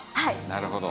なるほど。